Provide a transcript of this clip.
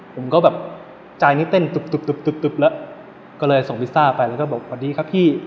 ผมก็แบบใจนี้เต้นตุ๊บตึบแล้วก็เลยส่งลิซ่าไปแล้วก็บอกสวัสดีครับพี่